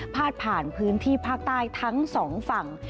พาดผ่านพื้นที่ภาคใต้ทั้งสองฝั่ง